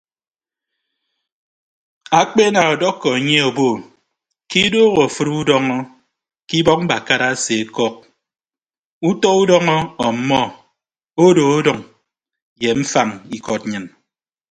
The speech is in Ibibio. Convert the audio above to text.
Akpe ana ọdọkọ anye obo ke idoho afịd udọñọ ke ibọk mbakara aseọkọk utọ udọñọ ọmmọ odo ọdʌñ ye mfañ ikọd nnyịn.